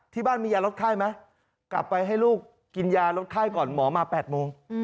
ที่บ้านมียาลดไข้ไหมกลับไปให้ลูกกินยาลดไข้ก่อนหมอมา๘โมง